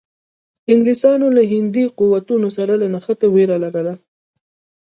انګلیسانو له هندي قوتونو سره له نښتې وېره لرله.